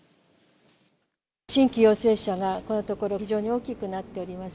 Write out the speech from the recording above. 新規陽性者がこのところ、非常に大きくなっております。